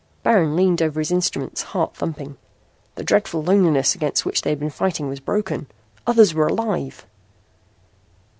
Baron leaned over his instruments, heart thumping. The dreadful loneliness against which he had been fighting was broken. Others were alive!